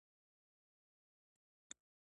زده کوونکي دوه دوه سره جوړ شي او یو پاراګراف ووایي.